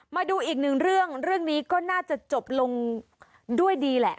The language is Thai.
มาดูอีกหนึ่งเรื่องเรื่องนี้ก็น่าจะจบลงด้วยดีแหละ